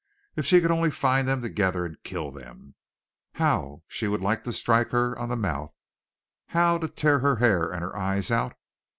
If she could only find them together and kill them! How she would like to strike her on the mouth! How tear her hair and her eyes out!